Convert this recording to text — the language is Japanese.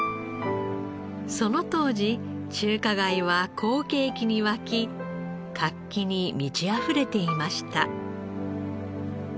その当時中華街は好景気に沸き活気に満ちあふれていました。